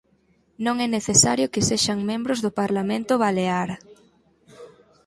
Non é necesario que sexan membros do Parlamento Balear.